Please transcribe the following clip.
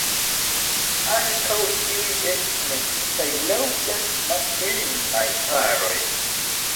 Ankaŭ tiuj estis metitaj laŭ ses maskl-inaj paroj.